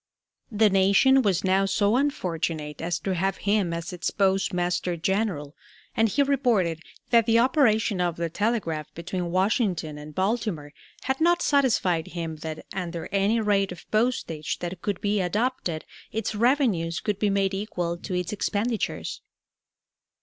The nation was now so unfortunate as to have him as its Postmaster General, and he reported "that the operation of the telegraph between Washington and Baltimore had not satisfied him that, under any rate of postage that could be adopted, its revenues could be made equal to its expenditures."